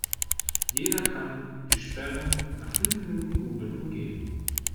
Jeder kann die Sperren nach fünf Minuten Googlen umgehen.